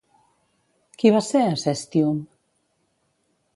Qui va ser Acestium?